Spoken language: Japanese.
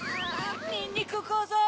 にんにくこぞう。